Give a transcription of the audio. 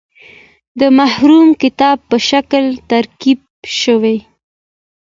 د محرم کتاب په شکل ترتیب شوی.